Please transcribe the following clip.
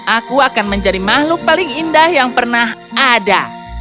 aku akan menjadi makhluk paling indah yang pernah ada